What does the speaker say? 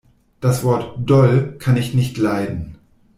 Das Wort “doll“ kann ich nicht leiden.